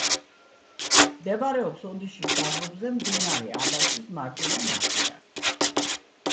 მდებარეობს ოდიშის დაბლობზე, მდინარე აბაშის მარჯვენა ნაპირას.